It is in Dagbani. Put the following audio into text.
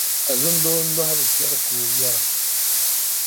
Azindoo nↄhi bi kpεhiri ka o yↄra.